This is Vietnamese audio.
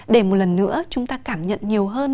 để một lần nữa chúng ta cảm nhận nhiều hơn